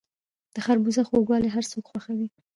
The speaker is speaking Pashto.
د خربوزو خوږوالی هر څوک خوښوي.